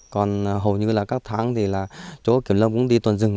còn hầu như là các tháng thì là chỗ kiểm lâm cũng đi tuần rừng